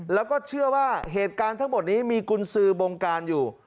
แล้วก็เชื่อว่าเหตุการณ์ทั้งหมดนี้มีกุญสือบงการอยู่